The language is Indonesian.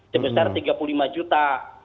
sebesar tiga puluh lima juta